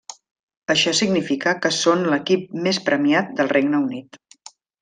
Això significa que són l'equip més premiat del Regne Unit.